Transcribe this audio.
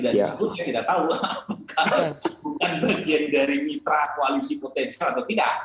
dari sebut saya tidak tahu apakah bukan bagian dari mitra koalisi potential atau tidak